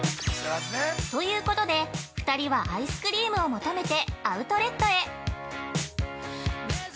◆ということで、２人はアイスクリームを求めてアウトレットへ。